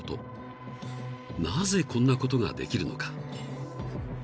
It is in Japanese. ［なぜこんなことができるのか］